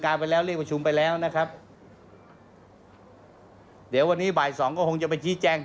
เค้าให้ใจล่ะไม่ได้มีปัญหาอะไรนะฮะ